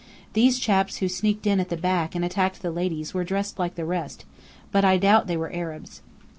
These chaps who sneaked in at the back and attacked the ladies were dressed like the rest, but I doubt they were Arabs."